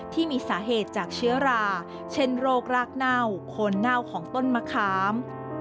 ที่มีสาเหตุจากเชื้อราเช่นโรครากเน่าโคนเน่าของต้นมะขาม